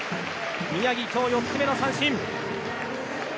宮城、今日４つ目の三振。